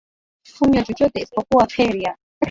Kunywa chochote isipokuwa Perrier.